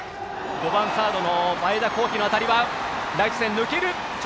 ５番サードの前田幸毅の当たりはライト線、抜ける！